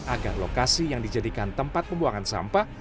agar lokasi yang dijadikan tempat pembuangan sampah